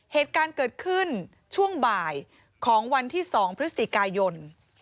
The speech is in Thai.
เหตุการณ์เกิดขึ้นช่วงบ่ายของวันที่๒พฤศจิกายน